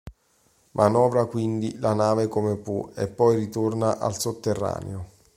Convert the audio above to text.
Manovra quindi la nave come può e poi ritorna al sotterraneo.